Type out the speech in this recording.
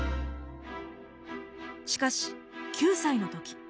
しかし９歳の時。